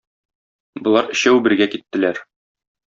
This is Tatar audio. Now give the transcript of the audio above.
Болар өчәү бергә киттеләр.